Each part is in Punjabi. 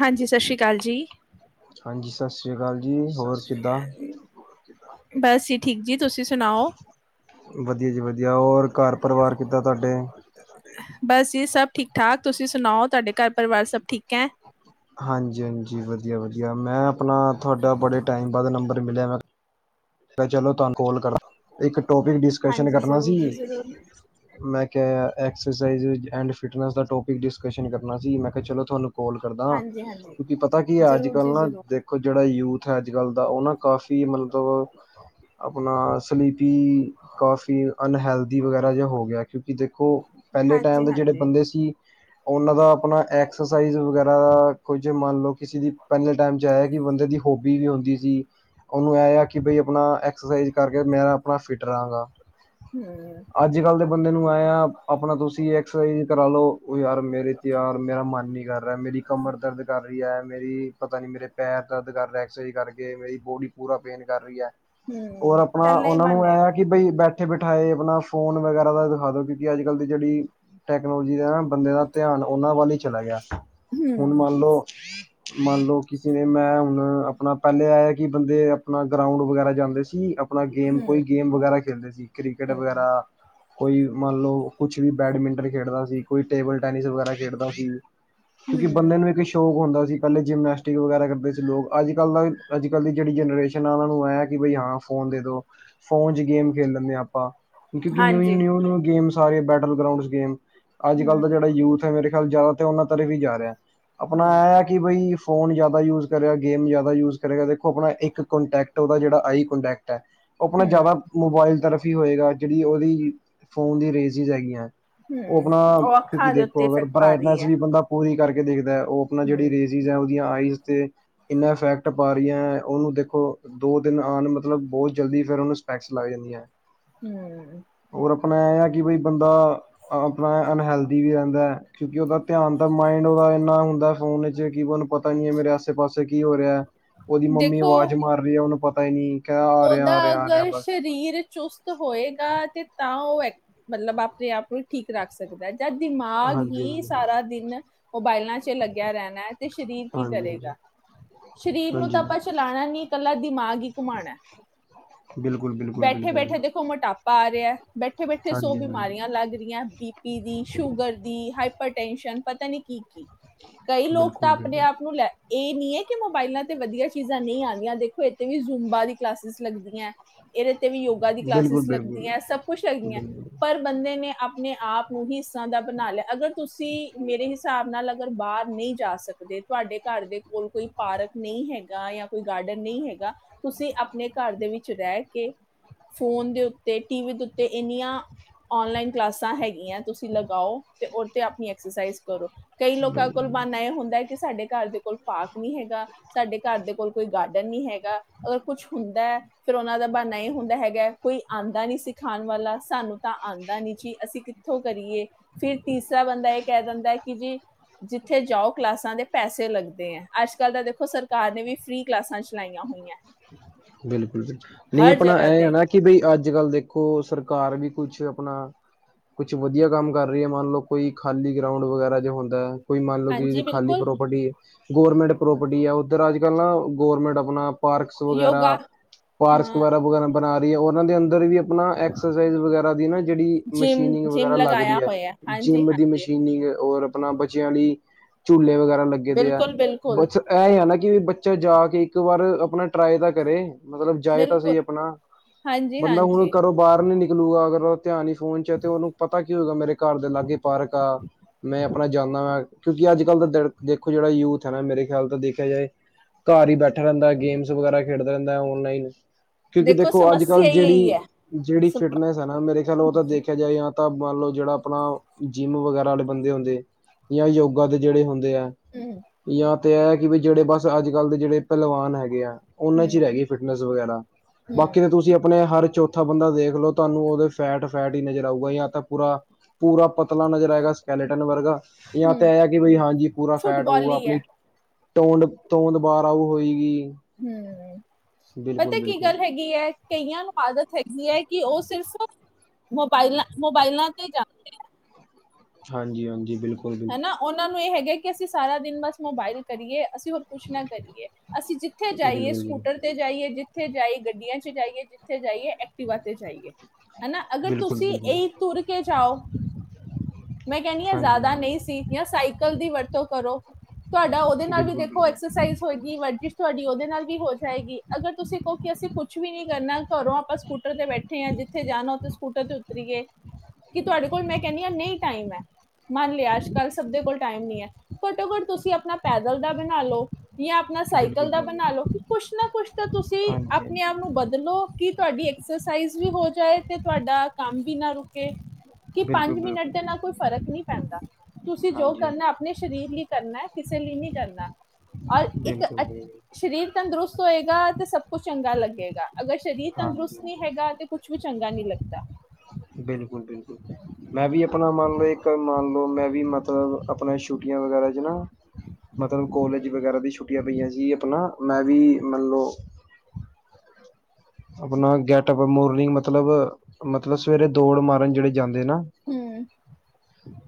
ਹਾਂਜੀ ਸਤਿ ਸ਼੍ਰੀ ਅਕਾਲ ਜੀ ਹਾਂਜੀ ਸਤਿ ਸ਼੍ਰੀ ਅਕਾਲ ਜੀ, ਹੋਰ ਕਿੱਦਾਂ? ਬਸ ਜੀ, ਠੀਕ ਜੀ, ਤੁਸੀਂ ਸੁਣਾਓ। ਵਧੀਆ ਜੀ ਵਧੀਆ, ਹੋਰ ਘਰ ਪਰਿਵਾਰ ਕਿੱਦਾਂ ਤੁਹਾਡੇ? ਬਸ ਜੀ ਸਭ ਠੀਕ ਠਾਕ, ਤੁਸੀਂ ਸੁਣਾਓ ਤੁਹਾਡੇ ਘਰ ਪਰਿਵਾਰ ਸਭ ਠੀਕ ਹੈ। ਹਾਂਜੀ- ਹਾਂਜੀ, ਵਧੀਆ ਵਧੀਆ ਮੈਂ ਆਪਣਾ ਤੁਹਾਡਾ ਬੜੇ ਟਾਈਮ ਬਾਅਦ ਨੰਬਰ ਮਿਲਿਆ ਮੈਂ ਮੈੰ ਕਿਹਾ ਚਲੋ ਤੁਹਾਨੂੰ ਕਾਲ ਕਰਾਂ, ਇੱਕ ਟੋਪਿਕ ਡਿਸਕਸ਼ਨ ਹਾਂਜੀ, ਕਰਨਾ ਸੀ ਜ਼ਰੂਰ ਜੀ ਜ਼ਰੂਰ, ਮੈਂ ਕਿਹਾ ਐਕਸਰਸਾਈਜ਼ ਐਂਡ ਫਿਟਨਸ ਦਾ ਟੋਪਿਕ ਡਿਸਕਸ਼ਨ ਕਰਨਾ ਸੀ ਮੈਂ ਕਿਹਾ ਚਲੋ ਤੁਹਾਨੂੰ ਕਾਲ ਕਰਦਾ, ਹਾਂਜੀ ਕਿਉਂਕਿ ਪਤਾ ਕੀ ਹੈ, ਅੱਜ ਜ਼ਰੂਰ ਕੱਲ ਜੀ ਨਾ ਜ਼ਰੂਰ, ਦੇਖੋ ਜਿਹੜਾ ਜਿਹੜਾ ਯੂਥ ਹੈ, ਅੱਜ ਕੱਲ੍ਹ ਦਾ, ਉਹ ਨਾ ਕਾਫੀ ਮਤਲਬ ਆਪਣਾ ਸਲੀਪੀ ਕਾਫੀ ਅਨਹੈਲਦੀ ਵਗੈਰਾ ਜਿਹਾ ਹੋ ਗਿਆ, ਕਿਉਂਕਿ ਜੇ ਖੋ ਪਹਿਲੇ ਟਾਈਮ ਦੇ ਜਿਹੜੇ ਬੰਦੇ ਸੀ ਉਹਨਾਂ ਦਾ ਆਪਣਾ ਐਕਸਰਸਾਈਜ਼ ਵਗੈਰਾ ਕੁਝ ਮੰਨ ਲਓ, ਕਿਸੇ ਦੀ ਪਹਿਲੇ ਟਾਈਮ ਚ ਐ ਕਿ ਬੰਦੇ ਦੀ ਹੋਬੀ ਵੀ ਹੁੰਦੀ ਸੀ, ਉਹਨੂੰ ਇਹ ਆ ਕਿ ਬਈ ਆਪਣਾ ਐਕਸਰਸਾਈਜ਼ ਕਰਕੇ ਮੈਂ ਆਪਣਾ ਫਿਟ ਰਹਾਂਗਾ ਅੱਜ ਕੱਲ੍ਹ ਦੇ ਬੰਦੇ ਨੂੰ ਏ ਆ, ਆਪਣਾ ਤੁਸੀਂ ਇੱਕ ਸਹੀ । ਕਰਾਾਲੋ ਉਹ ਯਾਰ ਮੇਰੇ ਤੇ, ਯਾਰ ਮੇਰਾ ਮਨ ਨਹੀਂ ਕਰ ਰਿਹਾ, ਮੇਰੀ ਕਮਰ ਦਰਦ ਕਰ ਯਾਰ ਮੇਰੀ ਪਤਾ ਨੀ, ਮੇਰੇ ਪੈਰ ਦਰਦ ਕਰ ਰਿਹਾ, ਐਕਸਰਸਾਈਜ਼ ਕਰਕੇ ਮੇਰੀ ਬੋਡੀ ਪੂਰਾ ਪੇਨ- ਕਰ ਰਹੀ ਹੈ। ਹੋਰ ਆਪਣਾ, ਪਹਿਲਾਂ ਹੀ ਉਹਨਾਂ ਨੂੰ ਬਣੇ। ਇਹ ਆ ਕਿ ਬਈ ਬੈਠੇ ਬੈਠੇ ਬਿਠਾਏ, ਆਪਣਾ ਫੋਨ ਵਗੈਰਾ ਦਾ ਖਾ ਦੋ ਕਿਉੰਕਿ, ਅੱਜਕਲ ਦੀ ਜਿਹੜੀ ਟੈਕਨੋਲੋਜੀ ਦਾ ਬੰਦੇ ਦਾ ਧਿਆਨ ਉਹਨਾਂ ਵੱਲ ਹੀ ਚਲਾ ਗਿਆ ਹੁਣ ਮੰਨ ਲਓ ਮੰਨ ਲਓ ਕਿਸੇ ਨੇ, ਨਾਲ ਆਪਣਾ ਪਹਿਲੇ ਏ ਕਿ ਬੰਦੇ ਆਪਣਾ, ਗਰਾਊਂਡ ਵਗੈਰਾ ਜਾਂਦੇ ਸੀ। ਆਪਣਾ ਗੇਮ, ਕੋਈ ਗੇਮ ਵਗੈਰਾ ਖੇਲਦੇ ਸੀ ਕ੍ਰਿਕਟ ਵਗੈਰਾ, ਕੋਈ ਮੰਨ ਲਓ ਕੁਛ ਵੀ ਬੈਡਮਿੰਟਨ ਖੇਡਦਾ ਸੀ, ਕੋਈ ਟੇਬਲ ਟੈਨਿਸ ਵਗੈਰਾ ਖੇਡਦਾ ਸੀ। ਕਿਉਂਕਿ, ਹੂੰ, ਬੰਦੇ ਨੂੰ ਇੱਕ ਸ਼ੌਕ ਹੁੰਦਾ ਸੀ। ਪਹਿਲੇ ਜਿਮਨੈਸਟਿਕ ਵਗੈਰਾ ਕਰਦੇ ਸੀ ਲੋਕ, ਅੱਜ ਕੱਲ ਅੱਜ ਕੱਲ ਦੀ ਜਿਹੜੀ ਜਨਰੇਸ਼ਨ ਇਹਨਾਂ ਨੂੰ ਇਹ ਹੈ ਕਿ, ਬਈ ਹਾਂ ਫੋਨ ਦੇ ਦੋ। ਫੋਨ ਚ ਗੇਮ ਖੇਲ ਲੈਂਦੇ ਹਾਂ ਆਪਾਂ, ਕਿਉਂਕਿ ਨਿ ਹਾਂ, ਨਿਊ, ਨਿਊ ਗੇਮ ਸਾਰੇ ਬੈਟਲ ਗਰਾਊਂਡਸ ਗੇਮ ਅੱਜ- ਕੱਲ੍ਹ ਹੂੰ, ਦਾ ਜਿਹੜਾ ਯੂਥ ਐ, ਮੇਰੇ ਖ਼ਿਆਲ ਚ ਜ਼ਿਆਦਾ ਉਹਨਾਂ ਤਰਫ ਈ ਜਾ ਰਿਹਾ। ਆਪਣਾ ਇਹ ਹੂੰ, ਆ ਕਿ ਬਈ ਫੋਨ ਜਿਆਦਾ ਦਾ ਯੂਜ ਕਰਿਆ ਗੇਮ ਜ਼ਿਆਦਾ ਯੂਜ ਕਰੇਗਾ ਦੇਖੋ ਆਪਣਾ ਇੱਕ ਕੋਂਟੈਕਟ ਉਹਦਾ ਜਿਹੜਾ ਆਈ ਕੋਂਟੈਕਟ ਉਹ ਆਪਣਾ ਜ਼ਿਆਦਾ ਹੂੰ, ਮੋਬਾਇਲ ਤਰਫ ਹੀ ਹੋਏਗਾ ਜਿਹੜੀ ਉਹ ਇਜੀ ਫੋਨ ਦੀਆਂ ਰੇਜਿਸ ਹੈਗੀਆਂ ਉਹ ਹੂੰ। ਆਪਣਾ ਉਹ ਕਿਉਂਕਿ ਅੱਖਾਂ ਦੇ ਉੱਤੇ ਦੇਖੋ ਅਗਰ ਇਫੈਕਟ ਪਾ ਰਹੀ ਬਰਾਈਟਨੈਸ ਐ, ਵੀ ਬੰਦਾ ਪੂਰੀ ਕਰਕੇ ਦੇਖਦਾ ਐ ਉਹ ਆਪਣਾ ਜਿਹੜੀ ਹੂੰ, ਰੇਜਿਸ ਹੈ ਉਹ ਆਈਜ਼ ਤੇ ਇੰਨਾ ਇਫੈਕਟ ਪਾ ਰਹੀਆਂ, ਉਹਨੂੰ ਉਹਨੂੰ ਦੋ ਦਿਨ ਆਣ ਮਤਲਬ ਬਹੁਤ ਜਲਦੀ ਫੇਰ ਉਹਨੂੰ ਸਪੈਕਸ ਲੱਗ ਜਾਂਦੀ ਆ। ਹੂੰ। ਹੋਰ ਆਪਣਾ ਇਹ ਆ ਕਿ ਬਈ ਬੰਦਾ ਆਪਣਾ ਅਨਹੈਲਦੀ ਵੀ ਰਹਿੰਦਾ। ਕਿਉਂਕਿ ਉਹ ਦਾ ਧਿਆਨ ਤਾ ਮਾਇੰਡ ਉਹਦਾ ਇੰਨਾ ਹੁੰਦਾ ਫੋਨ ਜੇ ਕੀਵਨ ਪਤਾ ਨੀ ਆ, ਮੇਰੇ ਆਸੇ-ਪਾਸੇ ਕੀ ਹੋ ਰਿਹਾ? ਉਹਦੀ ਮੰਮੀ ਦੇਖੋ, ਆਵਾਜ਼ ਉਹਨੂੰ ਪਤਾ ਹੀ ਨਹੀਂ ਕਹਿ ਆ ਰਿਹਾ ਉਹਦਾ ਆ ਰਿਹਾ ਆ ਰਿਹਾ ਅਗਰ ਬਸ ਸਰੀਰ ਚੁਸਤ ਹੋਏਗਾ ਤੇ ਤਾਂ ਉਹ ਮਤਲਬ ਆਪਣੇ ਆਪ ਨੂੰ ਠੀਕ ਰੱਖ ਸਕਦਾ ਏ। ਇਹਦਾ ਦਿਮਾਗ ਹਾਂਜੀ ਹੀ ਹਾਂਜੀ ਸਾਰਾ ਦਿਨ ਮੋਬਾਇਲਾਂ ਚ ਲੱਗਿਆ ਰਹਿਣਾ ਐ। ਸਰੀਰ ਕੀ ਹਾਂਜੀ ਹਾਂਜੀ ਕਰੇਗਾ, ਸਰੀਰ ਨੂੰ ਤਾਂ ਹਾਂਜੀ ਆਪਾਂ ਚਲਾਣਾ ਨੀ ਇਕੱਲਾ ਦਿਮਾਗ ਈ ਘੁਮਾਣਾ ਬਿਲਕੁਲ ਬਿਲਕੁਲ ਬੈਠੇ- ਬਿਲਕੁਲ ਬੈਠੇ ਦੇਖੋ ਮੋਟਾਪਾ ਆ ਰਿਹਾ। ਬੈਠੇ-ਬੈਠੇ ਸੌ ਹਾਂਜੀ ਹਾਂਜੀ ਬਿਮਾਰੀਆਂ ਲੱਗ ਰਹੀਆਂ ਕੀ ਬੀ ਪੀ ਦੀ, ਸ਼ੂਗਰ ਦੀ, ਹਾਈਪਰਟੈਸ਼ਨ, ਪਤਾ ਨੀ ਕੀ ਕਈ ਲੋਕ ਤਾਂ ਬਿਲਕੁਲ ਆਪਣੇ ਬਿਲਕੁਲ ਆਪ ਨੂੰ ਲੈ ਇਹ ਨਹੀਂ ਏ ਕਿ ਮੋਬਾਇਲਾਂ ਤੇ ਵਧੀਆ ਚੀਜ਼ਾਂ ਨਹੀਂ ਆਂਦੀਆਂ ਦੇਖੋ, ਇੱਥੇ ਵੀ ਜੁੰਬਾ ਦੀ ਕਲਾਸਿਸ ਲੱਗਦੀਆਂ, ਇਹਦੇ ਇੱਥੇ ਵੀ ਯੋਗਾ ਦੀ ਬਿਲਕੁਲ ਕਲਾਸਿਸ ਬਿਲਕੁਲ ਲੱਗਦੀਆ, ਸਭ ਕੁੱਛ ਲੱਗਦੀਆਂ ਬਿਲਕੁਲ ਪਰ ਬੰਦੇ ਨੇ ਆਪ ਆਪਣੇ ਆਪ ਨੂੰ ਹੀ ਇਸ ਤਰ੍ਹਾਂ ਦਾ ਬਣਾ ਲਿਆ, ਅਗਰ ਤੁਸੀਂ ਮੇਰੇ ਹਿਸਾਬ ਨਾਲ ਅਗਰ ਬਾਹਰ ਨਹੀਂ ਜਾ ਸਕਦੇ, ਤੁਹਾਡੇ ਘਰ ਦੇ ਕੋਲ ਕੋਈ ਪਾਰਕ ਨਹੀਂ ਹੈਗਾ, ਜਾਂ ਕੋਈ ਗਾਰਡਨ ਨਹੀਂ ਹੈਗਾ, ਤੁਸੀਂ ਆਪਣੇ ਘਰ ਦੇ ਵਿੱਚ ਰਹਿ ਕੇ, ਫੋਨ ਦੇ ਉੱਤੇ, ਟੀ ਵੀ ਦੇ ਉੱਤੇ, ਇੰਨੀਆਂ ਔਨਲਾਈਨ ਕਲਾਸਾਂ ਹੈਗੀਆਂ ਤੁਸੀਂ ਲਾਉ ਤੇ ਉਹ ਤੇ ਆਪਣੀ ਐਕਸਰਸਾਈਜ਼ ਕਰੋ, ਕਈ ਲੋਕਾਂ ਬਿਲਕੁਲ ਕੋਲ ਬਹਾਨਾ ਇਹ ਹੁੰਦਾ ਕਿ ਸਾਡੇ ਘਰ ਦੇ ਕੋਲ ਪਾਰਕ ਨਹੀਂ ਹੈਗਾ, ਸਾਡੇ ਘਰ ਦੇ ਕੋਲ ਕੋਈ ਗਾਰਡ, ਨਹੀਂ ਹੈਗਾ, ਅਗਰ ਕੁੱਛ ਹੁੰਦਾ ਫਿਰ ਉਹਨਾਂ ਦਾ ਬਹਾਨਾ ਨਹੀਂ ਹੁੰਦਾ ਹੈਗਾ, ਕੋਈ ਆਉਂਦਾ ਨੀ ਸਿਖਾਉਣ ਵਾਲਾ, ਸਾਨੂੰ ਤਾਂ ਆਉਂਦਾ ਨੀ ਜੀ ਅਸੀਂ ਕਿੱਥੋਂ ਕਰੀਏ, ਫਿਰ ਤੀਸਰਾ ਬੰਦਾ ਇਹ ਕਹਿ ਦਿੰਦਾ, ਕਿ ਜੀ ਜਿੱਥੇ ਜਾਉ ਕਲਾਸਾਂ ਦੇ ਪੈਸੇ ਲੱਗਦੇ ਆ, ਅੱਜ ਕੱਲ ਤਾਂ ਦੇਖੋ ਸਰਕਾਰ ਨੇ ਵੀ ਫ੍ਰਰੀ ਕਲਾਸਾਂ ਚਲਾਈਆਂ ਹੋਈਆਂ। ਬਿਲਕੁਲ-ਬਿਲਕੁਲ। ਨਹੀਂ, ਹਰ ਆਪਣਾ ਜਗ੍ਹਾ ਇਹ ਤੇ ਹੈ ਨਾ ਕਿ ਬਈ ਅੱਜ ਅੱਜ ਕੱਲ ਦੇਖੋ ਸਰਕਾਰ ਵੀ ਕੁਛ ਆਪਣਾ ਕੁਛ ਵਧੀਆ ਕੰਮ ਕਰ ਰਹੀ ਹੈ, ਮੰਨ ਲਉ ਕੋਈ ਖਾਲੀ ਗਊਂਡ ਵਗੈਰਾ ਜੋ ਹੁੰਦਾ ਹੈ ਕੋਈ ਮੰਨ ਲਓ ਕਿ ਹਾਂਜੀ ਖਾਲੀ ਬਿਲਕੁਲ ਪ੍ਰੋਪਰਟੀ ਗਵਰਮੈਂਟ ਪ੍ਰੋਪਰਟੀ ਹੈ ਉੱਧਰ ਅੱਜ ਕੱਲ੍ਹ ਨਾ ਗੌਰਮੈਂਟ ਆਪਣਾ ਪਾਰਕਸ ਯੋਗਾ ਵਗੈਰਾ ਪਾਰਕਸ ਹਾਂ ਵਗੈਰਾ ਵਗੈਰਾ ਬਣਾ ਰਹੀ ਹੈ ਉਹਨਾਂ ਦੇ ਅੰਦਰ ਵੀ ਆਪਣਾ ਐਕਸਰਸਾਈਜ਼ ਵਗੈਰਾ ਦੀ ਨਾ ਜਿਹੜੀ ਜਿੰਮ ਮਸ਼ੀਨਿੰਗ ਜਿੰਮ ਵਗੈਰਾ ਲਗਾਇਆ ਲੱਗਦੀ ਹੈ ਹੋਇਆ ਹਾਂਜੀ ਜਿੰਮ ਦੀ ਹਾਂਜੀ ਮਸ਼ੀਨਿੰਗ ਰ ਆਪਣਾ ਬੱਚਿਆਂ ਲਈ ਝੂਲੇ ਵਗੈਰਾ ਲੱਗੇ ਦੇ ਆ ਬਿਲਕੁਲ ਬਿਲਕੁਲ ਬਸ ਇਹ ਹੀ ਹੈ ਨਾ ਕਿ ਬੱਚੇ ਅੱਛਾ ਜਾ ਕੇ ਇੱਕ ਵਾਰ ਆਪਣਾ ਟਰਾਈ ਤਾਂ ਕਰੇ ਮਤਲਬ ਜਾਏ ਤਾਂ ਬਿਲਕੁਲ ਸਹੀ ਆਪਣਾ ਹਾਂਜੀ ਬੰਦਾ ਹੁਣ ਹਾਂਜੀ ਘਰੋਂ ਬਾਹਰ ਨੀ ਨਿਕਲੂਗਾ ਅਗਰ ਧਿਆਨ ਨ ਫੋਨ ਚ ਤੇ ਉਹਨੂੰ ਪਤਾ ਕੀ ਹੋਏਗਾ ਮੇਰੇ ਘਰ ਦੇ ਲਾਗੇ ਪਾਰਕ ਆ ਮੈਂ ਆਪਣਾ ਜਾਂਦਾ ਵਾ ਕਿਉਂਕਿ ਅੱਜ ਕੱਲ੍ਹ ਦਾ ਦੇਖੋ ਜਿਹੜਾ ਯੂਥ ਹੈ ਨਾ ਮੇਰੇ ਖਿਆਲ ਤਾਂ ਦੇਖਿਆ ਜਾਏ ਘਰ ਹੀ ਬੈਠਾ ਰਹਿੰਦਾ ਹੈ ਗੇਮਸ ਵਗੈਰਾ ਖੇਡਦਾ ਰਹਿੰਦਾ ਹੈ ਉਹ ਔਨਲਾਈਨ, ਕਿਉਂਕਿ ਦੇਖੋ ਅੱਜ ਕੱਲ੍ਹ ਸਮੱਸਿਆ ਹੀ ਇਹੀ ਜਿਹੜੀ ਹੈ ਜਿਹੜੀ ਸਮ- ਫਿਟਨੈਸ ਹੈ ਨਾ ਮੇਰੇ ਖਿਆਲ ਉਹ ਤਾਂ ਦੇਖਿਆ ਜਾਏ ਜਾਂ ਤਾਂ ਮੰਨ ਲਓ ਜਿਹੜਾ ਆਪਣਾ ਜਿੰਮ ਵਗੈਰਾ ਵਾਲੇ ਬੰਦੇ ਹੁੰਦੇ ਜਾਂ ਯੋਗਾ ਦੇ ਜਿਹੜੇ ਹੁੰਦੇ ਹਮ ਜਾਂ ਤੇ ਇਹ ਹੈ ਕਿ ਵੀ ਜਿਹੜੇ ਬਸ ਅੱਜ ਕੱਲ੍ਹ ਦੇ ਜਿਹੜੇ ਪਹਿਲਵਾਨ ਹੈਗੇ ਆ ਉਹਨਾਂ ਚ ਹੀ ਰਹਿ ਹਮ ਗਏ ਫਿਨਿਸ਼ ਵਗੈਰਾ ਬਾਕੀ ਹਮ ਤਾਂ ਤੁਸੀਂ ਆਪਣੇ ਹਰ ਚੌਥੇ ਉੱਥਾ ਬੰਦਾ ਦੇਖ ਲੋੋ ਤੁਹਾਨੂੰ ਉਹਦੇ ਫੈਟ-ਫੈਟ ਹੀ ਨਜ਼ਰ ਆਊਗਾ ਜਾਂ ਤਾਂ ਪੂਰਾ ਪੂਰਾ ਪਤਲਾ ਨਜ਼ਰ ਆਏਗਾ ਸਕੈਲੇਟਨ ਵਰਗਾ ਜਾਂ ਤਾਂ ਹਮ ਇਹ ਕਿ ਬ ਹਾਂਜੀ ਪੂਰਾ ਫੈਟ ਫੁੱਟਬਾਲ ਹੋਊਗਾ ਹੀ ਆਪਣੀ ਹੈ ਟੋਡ ਤੋਂਦਬਾਰ ਆਊ ਹੋਏਗੀ ਹੂੰ, ਬਿਲਕੁਲ ਪਤਾ ਕੀ ਬਿਲਕੁਲ ਗੱਲ ਹੈਗੀ ਹੈ? ਕਈਆਂ ਨੂੰ ਆਦਤ ਹੈਗੀ ਹੈ ਕਿ ਉਹ ਸਿਰਫ਼ ਮੋਬਾਈਲਾਂ-ਮੋਬਾਈਲਾਂ ਤੇ ਜਾਂਦੇ ਹੈ। ਹਾਂਜੀ-ਹਾਂਜੀ। ਜੀ ਬਿਲਕੁਲ-ਬਿਲਕੁਲ। ਉਹਨਾਂ ਇਹ ਹੈਗਾ ਕਿ ਅਸੀਂ ਸਾਰਾ ਦਿਨ ਬਸ ਮੋਬਾਇਲ ਕਰੀਏ ਅਸੀਂ ਹੋਰ ਕੁਛ ਨਾ ਕਰੀਏ ਅਸੀਂ ਜਿੱਥੇ ਜਾਈਏ ਬਿਲਕੁਲ ਜੀ ਸਕੂਟਰ ਤੇ ਜਾਈਏ ਜਿੱਥੇ ਜਾਈਏ ਗੱਡੀ ਗੱਡੀਆਂ ਚ ਜਾਈਏ ਜਿੱਥੇ ਜਾਈਏ ਐਕਟੀਵਾ ਤੇ ਜਾਈਏ। ਹਨਾ ਅਗਰ ਬਿਲਕੁਲ ਤੁਸੀਂ ਬਿਲਕੁਲ ਇਹੀ ਤੁਰ ਕੇ ਜਾਓ ਮੈਂ ਕਹਿੰਦੀ ਹਾਂ ਹਾਂਜੀ ਜ਼ਿਆਦਾ ਹਾਂਜੀ ਨਹੀਂ ਸੀ ਜਾਂ ਸਾਈਕਲ ਦੀ ਵਰਤੋਂ ਕਰੋ ਤੁਹਾਡਾ ਉਹਦੇ ਨਾਲ ਵੀ ਬਿਲਕੁਲ ਦੇਖੋ ਬਿਲਕੁਲ ਐਕਸਰਸਾਈਜ਼ ਹੋਏਗੀ ਵਰਜਿਸ਼ ਤੁਹਾਡੀ ਉਹਦੇ ਨਾਲ ਵੀ ਹੋ ਜਾਏਗੀ ਅਗਰ ਤੁਸੀਂ ਕਹੋ ਕਿ ਅਸੀਂ ਕੁੱਛ ਵੀ ਨੀ ਕਰਨਾ ਘਰੋਂ ਆਪਾਂ ਸਕੂਟਰ ਤੇ ਬੈਠੇ ਹਾਂ ਜਿੱਥੇ ਜਾਣਾ ਉੱਥੇ ਸਕੂਟਰ ਤੇ ਉਤਰੀਏ ਕਿ ਤੁਹਾਡੇ ਕੋਲ ਮੈਂ ਕਹਿੰਦੀ ਹਾਂ ਨਹੀਂ ਟਮ ਹੈ ਮੰਨ ਲਿਆ ਅੱਜ ਕੱਲ੍ਹ ਸਭ ਦੇ ਕੋਲ ਟਾਈਮ ਨਹੀਂ ਹੈ ਘੱਟੋ ਘੱਟ ਤੁਸੀਂ ਆਪਣਾ ਪੈਦਲ ਦਾ ਬਣਾ ਲਓ ਜਾਂ ਆਪਣਾ ਬਿਲਕੁਲ ਸਾਈਕਲ ਦਾ ਬਣਾ ਬਿਲਕੁਲ ਲੋ ਕਿ ਕੁਛ ਨਾ, ਕੁਛ ਤਾਂ ਤੁਸੀਂ ਹਾਂਜੀ ਆਪਣੇ ਹਾਂਜੀ ਆਪ ਨੂੰ ਬਦਲੋ ਕੀ ਤੁਹਾਡੀ ਐਕਸਰਸਾਈਜ਼ ਵੀ ਹੋ ਜਾਏ ਤੇ ਤੁਹਾਡਾ ਕੰਮ ਵੀ ਨਾ ਰੁਕੇ ਕਿ ਬਿਲਕੁਲ, ਬਿਲਕੁਲ। ਮਿੰਟ ਦੇ ਨਾਲ ਕੋਈ ਫ਼ਰਕ ਨਹੀਂ ਪੈਂਦਾ ਤੁਸੀਂ ਜੋ ਹਾਂਜੀ ਕਰਨਾ ਹਾਂਜੀ ਆਪਣੇ ਸਰੀਰ ਲਈ ਕਰਨਾ ਹੈ। ਕਿਸੇ ਲਈ ਨਹੀਂ ਕਰਨਾ ਔਰ ਇੱਕ ਬਿਲਕੁਲ ਬਿਲਕੁਲ ਸਰੀਰ ਤੰਦਰੁਸਤ ਹੋਏਗਾ। ਤੇ ਸਭ ਕੁਛ ਚੰਗਾ ਲੱਗੇਗਾ। ਅਗਰ ਸਰੀਰ ਹਾਂਜੀ ਤੰਦਰੁਸਤ ਨਹੀਂ ਹਾਂਜੀ ਹੈਗਾ ।ਤੇ ਕੁਛ ਵੀ ਚੰਗਾ ਨਹੀਂ ਲੱਗਦਾ ਬਿਲਕੁਲ ਬਿਲਕੁਲ ਮੈਂ ਵੀ ਮੰਨ ਲਓ ਇੱਕ ਮੰਨ ਲਓ ਮੈਂ ਵੀ ਮਤਲਬ ਆਪਣਾ ਸ਼ਛੂਟ ਛੱਟੀਆਂ ਵਗੈਰਾ ਚ ਨਾ ਮਤਲਬ ਕਲੇਜ ਵਗੈਰਾ ਦੀਆਂ ਛੁੱਟੀਆਂ ਪਈਆਂ ਸੀ ਆਪਣਾ ਮੈਂ ਵੀ ਮੰਨਲਓ ਆਪਣਾ ਗੈਟ ਮੋਰਨਿੰਗ ਮਤਲਬ ਮਤਲਬ ਸਵੇਰੇ ਦੌੜ ਮਾਰਨ ਜਿਹੜੇ ਜਾਂਦੇ ਨਾ ਹੂੰ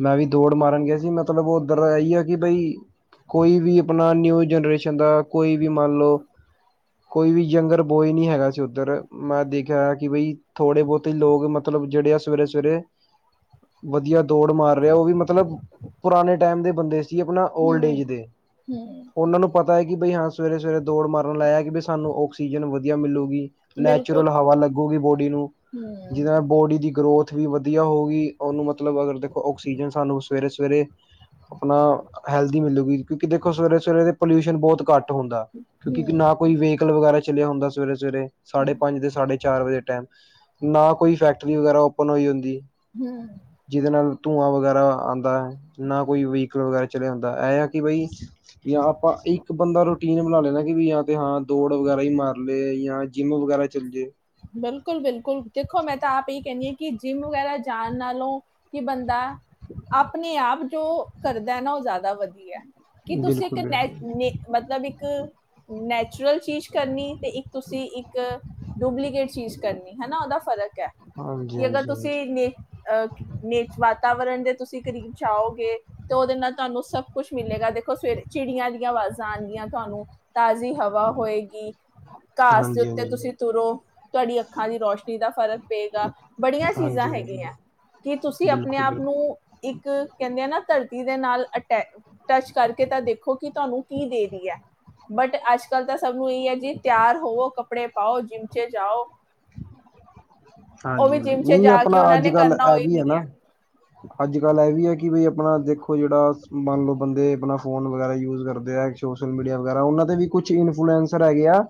ਮੈਂ ਵੀ ਦੌੜ ਮਾਰਨ ਗਿਆ ਸੀ ਮਤਲਬ ਉਹ ਉੱਧਰ ਇਹੀ ਆ ਕਿ ਬਈ ਕੋਈ ਵੀ ਆਪਣਾ ਨਿਊ ਜਨਰੇਸ਼ਨ ਦਾ ਕੋਈ ਵੀ ਮੰਨ ਲਓ ਕੋਈ ਵੀ ਯੰਗਰ ਬੋਏ ਨੀ ਹੈਗਾ ਸੀ ਉੱਧਰ ਮੈਂ ਦੇਖਿਆ ਕਿ ਬਈ ਥੋੜੇ ਬਹੁਤੇ ਲੋਕ ਮਤਲਬ ਜਿਹੜੇ ਆ ਸਵੇਰੇ ਸਵੇਰੇ ਵਧੀਆ ਦੌੜ ਮਾਰ ਰਿਹਾ ਉਹ ਵੀ ਮਤਲਬ ਪੁਰਾਣੇ ਟਾਈਮ ਦੇ ਬੰਦੇ ਸੀ ਸੀ ਆਪਣਾ ਓਲਡ ਹੂੰ ਏਜ ਦੇ ਹੂੰ ਉਹਨਾਂ ਨੂੰ ਪਤਾ ਪਤਾ ਹੈ ਕਿ ਬਈ ਹਾਂ ਸਵੇਰੇ, ਸਵੇਰੇ ਦੌੜ ਮਨ ਲਾਇਆ ਕਿ ਵੀ ਸਾਨੂੰ ਆਕਸੀਜਨ ਵਧੀਆ ਮਿਲੂਗੀ। ਬਿਲਕੁਲ ਨੈਚੁਰਲ ਹਵਾ ਲੱਗੀ। ਬਹੁਤ ਨੂੰ ਹੂੰ, ਜਿ ਬੋਡੀ ਦੀ ਗਰੋਥ ਵੀ ਵਧੀਆ ਹੋ ਗਗੀ ਉਹਨੂੰ ਮਤਲਬ ਅਗਰ ਦੇਖੋ ਆਕਸੀਜਨ ਸਾਨੂੰ ਸਵੇਰੇ, ਸਵੇਰੇ ਆਪਣਾ ਹੈਲਦੀ ਮਿਲੂਗੀ ਕਿਉਂਕਿ ਦੇਖੋ ਸਵੇਰੇ ਸਵੇਰੇ ਪੋਲਿਊਸ਼ਨ ਬਹੁਤ ਘੱਟ ਹੁੰਦਾ ਕਿਉਂਕਿ ਹੂੰ, ਨਾ ਕੋਈ ਵ ਵਗੈਰਾ ਚੱਲਿਆ ਹੁੰਦਾ ਸਵੇਰੇ, ਸਵੇਰੇ ਸਾਢੇ ਹੂੰ, ਪੰਜ ਦੇ ਸਾਢੇ ਚਾਰ ਵਜੇ ਟਾਈਮ ਨਾ ਕੋਈ ਫੈਕਟਰੀ ਵਗੈਰਾ ਓਪਨ ਹੋਈ ਹੁੰਦੀ ਹਮ। ਜਿਹਦੇ ਨਾਲ ਧੂੰਆਂ ਵਗੈਰਾ ਆਉਂਦਾ ਹੈ। ਨਾ ਕੋਈ ਵਹੀਕਲ ਵਗੈਰਾ। ਚਲਿਆ ਹੁੰਦਾ ਇਹ ਆ ਕਿ ਬਈ ਜਾਂ ਆਪਾਂ ਇੱਕ ਬੰਦਾ ਰੂਟੀਨ ਬਣਾ ਲੈਂਣਾ ਕਿ ਵੀ ਜਾਂ ਤੇ ਹਾਂ ਦੌੜ ਵਗੈਰਾ ਹੀ ਮਾਰ ਲਏ ਜਾਂ ਜਿੰਮ ਵਗੈਰਾ ਚੱਲ ਜੇ। ਬਿਲਕੁਲ -ਬਿਲਕੁਲ ਦੇਖੋ ਮੈਂ ਤਾਂ ਆਪ ਇਹ ਕਹਿੰਨੀ ਹ ਕਿ ਜਿੰਮ ਵਗੈਰਾ ਜਾਣ ਨਾਲੋਂ ਕਿ ਬੰਦਾ ਆਪਣੇ ਆਪ ਜੋ ਕਰਦਾ ਹੈ ਨਾ ਉਹ ਜ਼ਿਆਦਾ ਵਧੀਆ। ਕੀ ਤੁਸੀਂ ਇੱਕ ਨ ਬਿਲਕੁਲ-ਬਿਲਕੁਲ ਨ ਮਤਲਬ ਇੱਕ ਨੈਚੁਰਲ ਚੀਜ਼ ਕਰਨੀ ਤੇ ਇੱਕ ਤੁਸੀਂ ਇੱਕ ਡੁਬਲੀ। ਚੀਜ਼ ਕਰਨੀ ਹਨਾ ਉਹਦਾ ਫਰਕ ਕਿ ਅਗਰ ਹਾਂਜੀ-ਹਾਂਜੀ-ਹਾਂਜੀ, ਤੁਸੀਂ ਨੇ ਅਹ ਨੇ ਵਾਤਾਵਰਨ ਦੇ ਤੁਸੀਂ ਕਰੀਬ ਚਾਹਓਗੇ ਤਾਂ ਉਹਦੇ ਨਾਲ ਤੁਹਾਨੂੰ ਸਭ ਕੁੱਛ ਮਿਲੇਗਾ ਦੇਖੋ ਸਵੇਰੇ ਚਿੜੀਆਂ ਦੀਆਂ ਆਵਾਜ਼। ਣਗੀਆਂ ਤੁਹਾਨੂੰ ਤਾਜ਼ੀ ਹਵਾ ਹੋਏਗੀ। ਘਾਸ ਦੇ ਉੱਤੇ ਹਾਂਜੀ-ਹਾਂਜੀ। ਤੁਸੀਂ ਤੁਰੋ। ਸਾਡੀ ਅੱਖਾਂ ਦੀ ਰੋਸ਼ਨੀ। ਦਾ ਫ਼ਰਕ ਪਏਗਾ। ਬੜੀਆਂ ਚੀਜ਼ਾਂ ਹਾਂਜੀ-ਹਾਂਜੀ, ਹੈਗੀਆਂ ਕਿ ਤੁਸੀਂ ਆਪਣੇ ਆਪ ਬਿਲਕੁਲ-ਬਿਲਕੁਲ ਨੂੰ ਇੱਕ ਕਹਿੰਦੇ ਆ ਨਾ ਧਰਤੀ ਦੇ ਨਾਲ ਅਟੈ ਟੱਚ ਕਰਕੇ ਤਾਂ ਦੇਖੋ ਕਿ ਤੁਹਾਨੂੰ ਕੀ ਦੇ ਰਹੀ ਏ? ਬਟ ਅੱਜ ਕੱਲ ਤਾਂ ਸਭ ਨੂੰ ਇ ਹੈ ਜੀ ਤਿਆਰ ਹੋਵੋ ਕੱਪੜੇ ਪਾਓ ਜਿੰਮ ਚ। ਜਾਓ ਉਹ ਹਾਂਜੀ ਵੀ ਹਾਂਜੀ ਜਿਮ 'ਚ ਨਹੀਂ ਜਾ ਕੇ ਆਪਣਾ ਉਹਨਾਂ ਅੱਜ ਨੇ ਕੱਲ ਕਰਨਾ ਇਹ ਹੋਈ ਵੀ ਏ ਨਹੀਂ ਹੈ। ਨਾ ਅੱਜ ਕੱਲ ਇਹ ਵੀ ਹੈ ਕਿ ਬ ਆਪਣਾ ਦੇਖੋ ਜਿਹੜਾ ਮੰਨ ਲਓ ਬੰਦੇ ਆਪਣਾ ਫੋਨ ਵਗੈਰਾ ਯੂਜ ਕਰਦੇ ਆ ਸੋਸ਼ਲ ਮੀਡੀਆ ਵਗੈਰਾ ਉਹਨਾਂ ਤੇ ਵੀ ਕੁਛ ਇਨਫਲਐਸਰ ਹੈਗੇ ਆ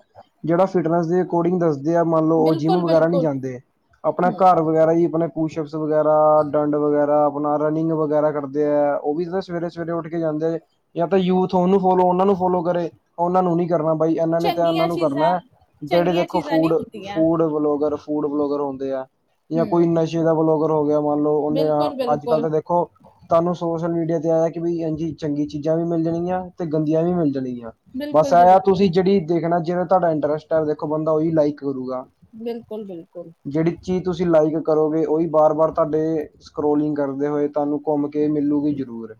ਜਿਹੜਾ ਫਿਟਨਸ ਦੇ ਅਕੋਰਡਿੰਗ ਦੱਸ। ਜ ਮੰਨ ਲਓ ਉਹ ਜਿੰਮ ਬਿਲਕੁਲ ਵਗੈਰਾ ਨਹੀਂ ਬਿਲਕੁਲ ਜਾਂਦੇ ਆਪਣਾ ਘਰ ਵਗੈਰਾ ਹੀ ਆਪਣੇ ਕੁਸ਼ਪ ਵਗੈਰਾ ਡੰਡ ਵਗੈਰਾ ਆਪਣਾ। ਰਨਿੰਗ ਵਗੈਰਾ ਕਰਦੇ ਹੈ ਉਹ ਵੀ ਤਾਂ ਸਵੇਰੇ ਸਵੇਰੇ ਉੱਠ ਕੇ ਜਾਂਦੇ ਹੈ ਜਾਂ ਤਾਂ ਯੂਥ ਉਹਨੂੰ ਫੋਲੋ ਉਹਨਾਂ ਨੂੰ ਫੋਲੋ ਕਰੇ। ਉਹਨਾਂ ਨੂੰ ਨਹੀਂੀ ਕਰਨਾ ਬਾਈ ਇਹਨਾਂ ਨੇ ਤਾਂ ਉਹਨਾਂ ਚੰਗੀਆਂ ਨੂੰ ਕਰਨਾ ਚੀਜ਼ਾਂ ਹੈ ਜਿਹੜੇ ਚੰਗੀਆਂ ਦੇਖੋ ਚੀਜ਼ਾਂ ਨਹੀਂ ਫੂਡ। ਹੁੰਦੀਆਂ ਜਿਹੜੇ ਫੂਡ ਬਲੋਗਰ ਹੁੰਦੇ ਆ ਜਾਂ ਹੂੰ ਕੋਈ ਨਸ਼ੇ ਦਾ ਵਲੋਂ। ਹੋਗਰ ਹੋ ਗਿਆ।। ਮੰਨ ਲਓ ਉਹਨੇ ਬਿਲਕੁਲ ਅੱਜ ਕੱਲ ਬਿਲਕੁਲ ਤਾਂ ਦੇਖੋ ਤੁਹਾਨੂੰ ਸੋਸ਼ਲ ਮੀਡੀਆ। ਇਹ ਵੀ ਇੰਜ ਚੰਗੀਆਂ ਚੀਜ਼ਾਂ ਵੀ ਮਿਲ ਜਾਣਗੀਆਂ ਤੇ ਗੰਦੀਆਂ ਵੀ ਮਿਲ ਜਾਣਗੀਆਂ। ਬਸ ਬਿਲਕੁਲ ਜੀ ਆਹ ਬਿਲਕੁਲ ਤੁਸੀਂ ਜਿਹੜੀ ਦੇਖਣਾ ਜਿਵੇਂ ਤੁਹਾਡਾ ਇੰਟਰਸਟ ਹੈ ਦੇਖੋ ਬੰਦਾ ਉਹੀ ਲਾਈਕ ਕਰੂਗਾ। ਬਿਲਕੁਲ ਬਿਲਕੁਲ ਜਿਹੜੀ ਚੀਜ਼ ਤੁਸੀਂ ਲਾਈਕ ਕਰੋਗੇ ਉਹੀ ਬਾਰ- ਬਾਰ ਤੁਹਾਡੇ ਸਕੋਲਿੰਗ ਕਰਦੇ ਹੋਏ ਤੁਹਾਨੂੰ ਘੁੰਮ ਕੇ ਮਿਲੂਗੀ ਜ਼ਰੂਰ।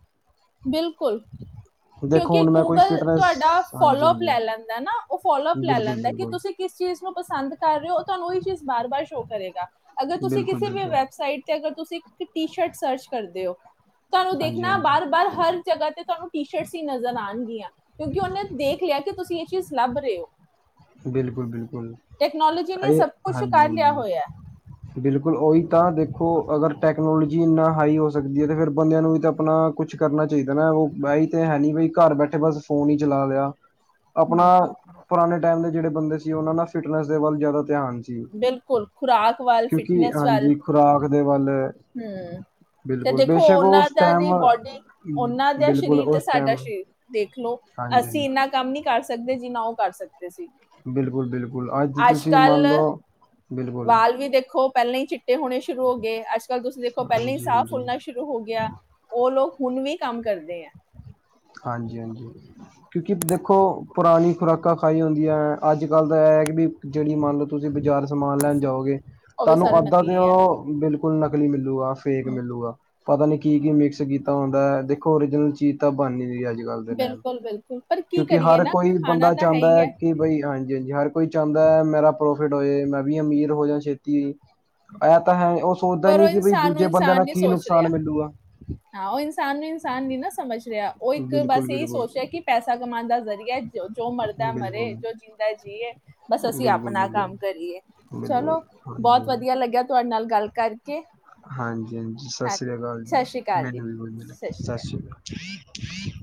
ਬਿਲਕੁਲ, ਦੇਖੋ ਕਿਉਂਕਿ ਹੁਣ ਮੈਂ ਕੋਈ ਗੂਗਲ ਫਿਟਨੈਸ ਤੁਹਾਡਾ ਫਲੋ ਅਪ ਹਾਂਜੀ-ਹਾਂਜੀ ਲੈ ਲੈਂਦਾ ਨਾ ਫੋਲੋ ਅਪ ਲੈ ਲੈਂਦਾ ਬਿਲਕੁਲ-ਬਿਲਕੁਲ ਤੁਸੀਂ ਕਿਸ ਚੀਜ਼ ਨੂੰ ਪਸੰਦ ਕਰ ਰਹੇ ਹੋ। ਤੁਹਾਨੂੰ ਉਹੀ ਚੀਜ਼ ਬਾਰ- ਬਾਰ ਸ਼ੋਅ ਕਰੇਗਾ। ਅਗਰ ਤੁਸੀਂ ਕਿਸੇ ਵੀ ਬਿਲਕੁਲ-ਬਿਲਕੁਲ ਵੈਬਸਾਈਟ ਤੇ ਅਗਰ ਤੁਸੀਂ ਇਕ ਟੀ- ਸ਼ਰਟ ਸਰਚ ਕਰ ਦਿਓ। ਤੁਹਾਨੂੰ ਦੇਖਣਾ ਹਾਂਜੀ-ਹਾਂਜੀ ਬਾਰ- ਬਾਰ ਹਰ ਜਗ੍ਹਾ ਤੇ ਤੁਹਾਨੂੰ ਟੀ-ਸ਼ਰ ਛੇਡਸੀ ਨਜ਼ਰ ਆਣਗੀਆਂ ਕਿਉਂਕਿ ਉਹਨੇ ਦੇਖ ਲਿਆ ਕਿ ਤੁਸੀਂ ਇਹ ਚੀਜ਼ ਲੱਭ ਰਹੇ ਹੋ? ਬਿਲਕੁਲ- ਬਿਲਕੁਲ, ਟੈਕਨੋਲੋਜੀ ਨੇ ਹਾਂਜੀ- ਸਭ ਕੁਝ ਕਰ ਲਿਆ ਹਾਂਜੀ ਹੋਇਆ ਬਿਲਕੁਲ ਉਹੀ ਤਾਂ ਦੇਖੋ ਅਗਰ ਟੈਕਨੋਲੋਜੀ ਇੰਨਾ ਹਾਈ ਹੋ ਸਕਦੀ ਹੈ ਤੇ ਫੇਰ ਬੰਦਿਆਂ ਨੂੰ ਵੀ ਤਾਂ ਆਪਣਾ ਕੁਛ ਕਰਨਾ ਚਾਹੀਦਾ ਨਾ ਉਹ ਬਹੀ ਤੇ ਹੈ ਨੀ ਬ ਘਰ ਬੈਠੇ ਬਸ ਫੋਨ ਹੀ ਚਲਾ ਲਿਆ ਆਪਣਾ ਹੈ ਪੁਰਾਣੇ ਜਿਹੜੇ ਬੰਦੇ ਸੀ ਉਹਨਾਂ ਨਾਲ ਫਿਟਨੈਸ ਦੇ ਵੱਲ ਜ਼ਿਆਦਾ ਧਿਆਨ ਸੀ, ਬਿਲਕੁਲ ਖੁਰਾਕ ਵੱਲ ਕਿਉਂਕਿ ਹਾਂਜੀ ਖੁਰਾਕ ਦੇ ਵੱਲ ਹੂੰ ਤੇ ਬਿਲਕੁਲ ਦੇਖੋ ਬੇਸ਼ੱਕ ਉਹਨਾਂ ਉਸ ਦਾ ਟਾਈਮ ਦੀ ਬੋਡੀ ਉਹਨਾਂ ਦਾ ਬਿਲਕੁਲ ਸਰੀਰ ਤੇ ਉਸ ਟਾਈਮ ਸਾਡਾ ਸ਼ਰੀਰ ਦੇਖਲੋ, ਹਾਂਜੀ ਅਸੀਂ ਹਾਂਜੀ ਇੰਨਾ ਕੰਮ ਨੀ ਕਰ ਸਕਦੇ ਜਿੰਨਾ ਉਹ ਕਰ ਸਕਦੇ ਸੀ। ਬਿਲਕੁਲ- ਬਿਲਕੁਲ ਅੱਜ ਤੁਸੀਂ ਮੰਨ ਲਓ, ਬਿਲਕੁਲ ਚਿਟੇ ਹੋਣੇ ਸ਼ੁਰੂ ਹੋ ਗਏ ਅੱਜ ਕੱਲ ਤੁਸੀਂ ਦੇਖੋ ਪਹਿਲਾਂ ਹੀ ਹਾਂਜੀ ਸਾਹ ਹਾਂਜੀ ਫੁੱਲਣਾ ਸ਼ੁਰੂ ਹੋ ਗਿਆ। ਉਹ ਲੋਕ ਹੁਣ ਵੀ ਕੰਮ ਕਰਦੇ ਐ। ਹਾਂਜੀ-ਹਾਂਜੀ ਕਿਉਂਕਿ ਦੇਖੋ ਪੁਰਾਣੀ ਖੁਰਾਕਾਂ ਖਾਈ ਹੁੰਦੀ ਆ ਅੱਜ-ਕੱਲ ਤਾਂ ਇਹ ਐ ਕਿ ਵੀ ਜਿਹੜੀ ਮੰਨ ਲਓ ਤੁਸੀਂ ਬਾਜ਼ਾਰ ਸਮਾਨ ਲੈਣ ਜਾਓਗੇ ਉਹ ਵੀ ਤੁਹਾਨੂੰ ਸਾਰਾ ਅੱਦ ਦਾਂ ਤੇ ਨਕਲੀ ਹੈ ਬਿਲਕੁਲ ਕੁਲ ਨਕਲੀ ਮਿਲੂਗਾ। ਫੇਕ ਮਿਲੂਗਾ। ਪਤਾ ਨੀ ਕੀ-ਕੀ ਮਿਕਸ ਕੀਤਾ ਹੁੰਦਾ ਦੇਖੋ ਓਰੀਜਨਲ ਚੀਜ਼ ਤਾਂ ਹਾਂਜੀ- ਹਾਂਜੀ, ਅੱਜ-ਕੱਲ ਦੇ ਟੈਮ ਬਿਲਕੁਲ ਬਿਲਕੁਲ ਪਰ ਕੀ ਕਿਉਂਕਿ ਕਰੀਏ ਹਰ ਨਾ ਕੋਈ ਖਾਣਾ ਬੰਦਾ ਤਾਂ ਹੈ ਹੀ ਚਾਂਹਦਾ ਏ ਹੈ ਕਿ ਬਈ ਹਾਂਜੀ- ਹਾਂਜੀ ਹਰ ਕੋਈ ਚਾਂਹਦਾ ਹੈ ਮੇਰਾ ਪ੍ਰਫ ਫਿਟ ਹੋਏ ਮੈਂ ਵੀ ਅਮੀਰ ਹੋ ਜਾਂ ਛੇਤੀ। ਇਹ ਤਾਂ ਹੈ ਉਹ ਸੋਚਦਾ ਪਰ ਨੀ ਉਹ ਕਿ ਬਈ ਇਨਸਾਨ ਨੂੰ ਦੂਜੇ ਬੰਦਿਆਂ ਨਾਲ ਕੀ ਨੁਕਸਾਨ ਮਿਲੂਗਾ। ਹਹ ਉਹ ਇਨਸਾਨ ਨੂੰ ਇਨਸਾਨ ਨ ਨਾ ਸਮਝ ਰਿਹਾ ਉਹ ਇੱਕ ਬਿਲਕੁਲ ਬਸ ਇਹੀ ਬਿਲਕੁਲ ਸੋਚ ਰਿਹਾ ਕਿ ਪੈਸਾ ਕਮਾਉਣ ਦਾ ਜ਼ਰੀਆ। ਜੋ ਮਰਦਾ ਬਿਲਕੁਲ ਮਰੇ ਜੋ ਜੀਂਦਾ ਜੀਏ। ਬਸ ਅਸੀਂ ਬਿਲਕੁਲ ਆਪਣਾ ਕੰਮ ਬਿਲਕੁਲ ਕਰੀਏ ਬਿਲਕੁਲ ਚਲੋ ਬਹੁਤ ਹਾਂਜੀ ਵਧੀਆ ਲੱਗਿਆ ਤੁੂੰ ਤੁਹਾਡੇ ਨਾਲ ਗੱਲ ਕਰਕੇ ਹਾਂਜੀ ਹਾਂ ਸਤਿ ਹਾਂ ਸ੍ਰੀ ਅਕਾਲ ਜੀ ਸਤਿ ਸ਼੍ਰੀ ਅਕਾਲ ਜੀ ਮੈਨੂੰ ਵੀ ਬੋਲ ਲ ਸਤਿ ਸ਼੍ਰੀ ਅਕਾਲ। ਕੀ?